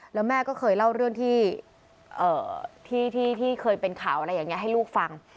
แล้วแม่ก็เคยเล่าเรื่องที่เคยเป็นข่าวอะไรอย่างนี้ให้ลูกฟัง